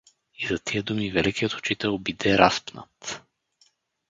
И за тия думи великият учител биде разпнат.